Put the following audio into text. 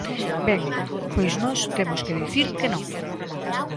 Ben, pois nós temos que dicir que non.